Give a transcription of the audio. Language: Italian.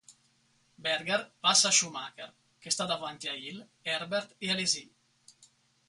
Berger passa Schumacher, che sta davanti a Hill, Herbert e Alesi.